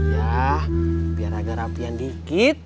ya biar agak rapian dikit